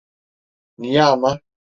Niye ama?